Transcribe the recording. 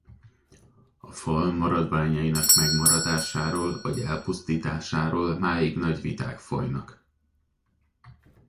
A fal maradványainak megmaradásáról vagy elpusztításáról máig nagy viták folynak.